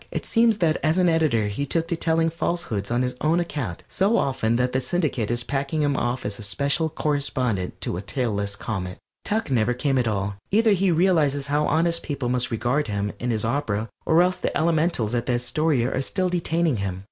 It seems that as an editor he took to telling falsehoods on his own account so often that the Syndicate is packing him off as Special Correspondent to a tailless comet. Tuck never came at all; either he realizes how honest people must regard him and his opera, or else the elementals at the Astoria are still detaining him.